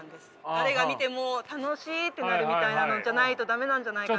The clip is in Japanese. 誰が見ても楽しいってなるみたいなのじゃないと駄目なんじゃないかなとか。